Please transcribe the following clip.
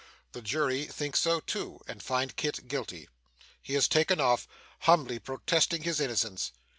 The jury think so too, and find Kit guilty. He is taken off, humbly protesting his innocence.